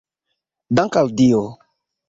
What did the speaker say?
Dank' al Dio!